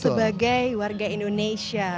sebagai warga indonesia